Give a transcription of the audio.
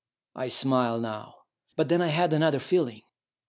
I smile now ... but then I had another feeling.